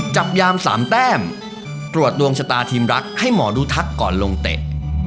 จับยามสามแต้มตรวจดวงชะตาทีมรักให้หมอดูทักก่อนลงเตะ